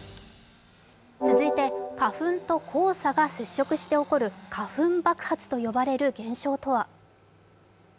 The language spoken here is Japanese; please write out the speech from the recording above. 続いて、花粉と黄砂が接触して起こる花粉爆発と呼ばれる現象とは。